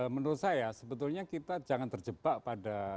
menurut saya sebetulnya kita jangan terjebak pada